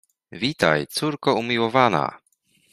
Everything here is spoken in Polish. Witaj, córko umiłowana!